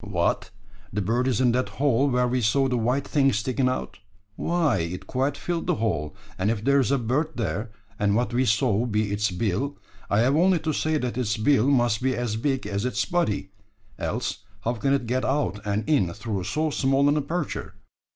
"What! the bird is in that hole where we saw the white thing sticking out? Why, it quite filled the hole, and if there's a bird there, and what we saw be its bill, I have only to say that its bill must be as big as its body else how can it get out and in through so small an aperture?